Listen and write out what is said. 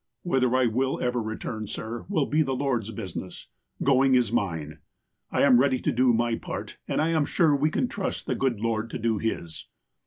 "Whether I will ever return, sir, will be the Lord's business. Going is mine. I am ready to do my part, and I am sure we can trust the good Lord to do His."